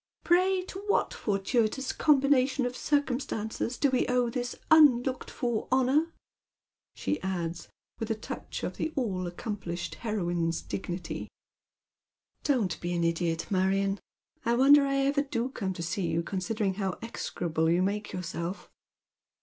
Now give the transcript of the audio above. Pray to what fortuitous combination of circumstances do we owe this unlooked for honour ?" she adds, with a touch of the all accomplished heroine's dignity. " Don't be an idiot, Marion. I wonder I ever do come to see you, considering how execrable you make yourself."